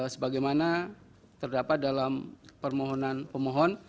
sebagaimana terdapat dalam permohonan pemohon